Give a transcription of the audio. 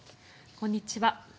こんにちは。